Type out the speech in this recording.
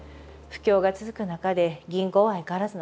不況が続く中で銀行は相変わらずの貸し渋り。